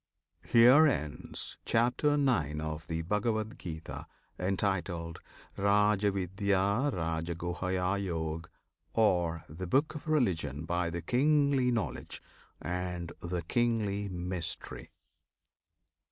HERE ENDS CHAPTER IX. OF THE BHAGAVAD GITA, Entitled "Rajavidyarajaguhyayog," Or "The Book of Religion by the Kingly Knowledge and the Kingly Mystery."